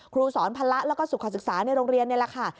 ครูสอนพละแล้วก็สุขศึกษาในโรงเรียนนี่แหละค่ะ